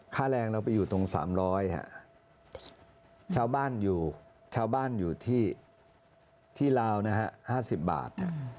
ค่าแรงเราไปอยู่ตรง๓๐๐บาทชาวบ้านอยู่ที่ลาว๕๐บาท